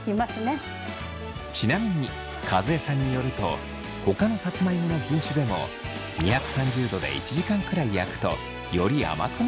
ちなみに和江さんによるとほかのさつまいもの品種でも２３０度で１時間くらい焼くとより甘くなるそう。